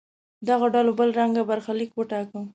دغو ډلو بل رنګه برخلیک وټاکه.